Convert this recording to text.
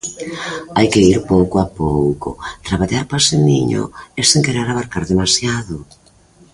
Hai que ir pouco a pouco, traballar paseniño e sen querer abarcar demasiado.